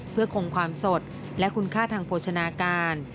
เพื่อคงความสดและคุณค่าทางโภชนาการ